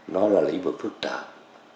nó là lý vực phức tạp